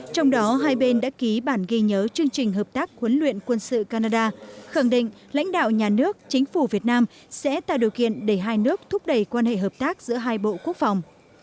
trong đó hai bên đã ký bản ghi nhớ chương trình hợp tác huấn luyện quân sự canada khẳng định lãnh đạo nhà nước chính phủ việt nam sẽ tạo điều kiện để hai nước thúc đẩy quan hệ hợp tác giữa hai bộ quốc phòng